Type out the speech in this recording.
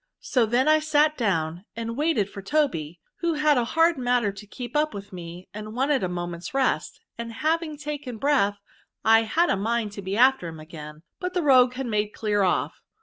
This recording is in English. So then I sat down, and waited for Toby, who had a hard matter to keep up with me, and wanted a moment's rest ; and having taken fareath, I had a mind to be after him again ; but the rogue had made clear off."